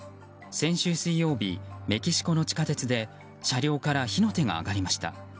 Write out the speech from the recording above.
先週水曜日、メキシコの地下鉄で車両から火の手が上がりました。